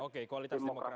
oke kualitas demokrasi ya